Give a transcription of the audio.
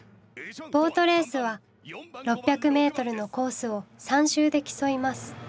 ボートレースは６００メートルのコースを３周で競います。